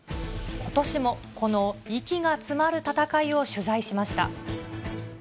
ことしも、この息が詰まる戦いを取材しました。